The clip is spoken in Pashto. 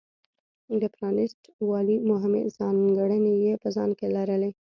د پرانېست والي مهمې ځانګړنې یې په ځان کې لرلې.